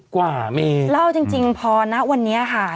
กว่าเมเล่าจริงพอนะวันนี้ค่ะ